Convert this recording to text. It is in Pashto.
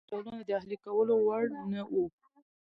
ډېر ډولونه د اهلي کولو وړ نه وو.